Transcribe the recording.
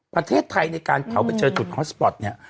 ประเทศไทยในการเผาไปเจอจุดฮอสปอร์ตเนี่ย